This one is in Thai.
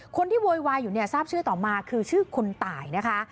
คนที่โวยวายซื้อต่อมาคือชื่อคุณตายนะคะ